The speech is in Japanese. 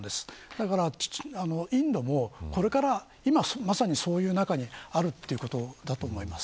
だから、インドもこれから今、まさにそういう中にあることだと思います。